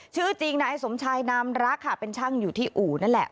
ชื่อจริงนายสมชายนามรักค่ะเป็นช่างอยู่ที่อู่นั่นแหละ